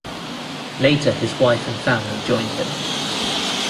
Later his wife and family joined him.